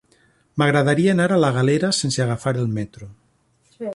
M'agradaria anar a la Galera sense agafar el metro.